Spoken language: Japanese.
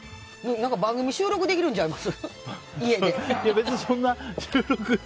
番組収録できるんちゃいます？